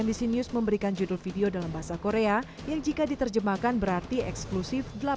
desi news memberikan judul video dalam bahasa korea yang jika diterjemahkan berarti eksklusif